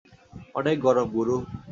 অনেক গরম, গুরু!